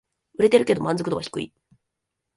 売れてるけど満足度は低い